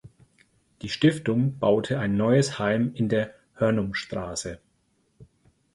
Die Stiftung baute ein neues Heim in der Hörnumstraße.